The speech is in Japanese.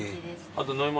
あと飲み物。